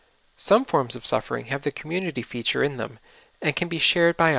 Some forms of suffering have the conununity feature in them, and can be shared by 82 SOUL FOOD.